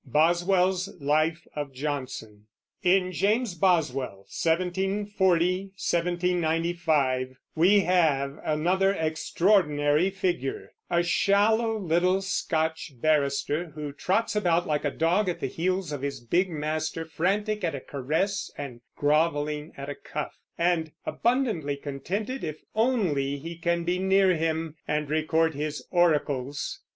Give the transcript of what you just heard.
BOSWELL'S "LIFE OF JOHNSON" In James Boswell (1740 1795) we have another extraordinary figure, a shallow little Scotch barrister, who trots about like a dog at the heels of his big master, frantic at a caress and groveling at a cuff, and abundantly contented if only he can be near him and record his oracles.